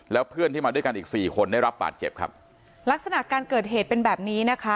แล้วเพื่อนที่มาด้วยกันอีกสี่คนได้รับบาดเจ็บครับลักษณะการเกิดเหตุเป็นแบบนี้นะคะ